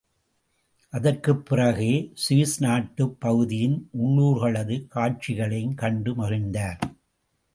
அதற்குப் பிறகே சுவில் நாட்டுப் பகுதியின் உள்ளூர்களது காட்சிகளையும் கண்டு மகிழ்ந்தார்.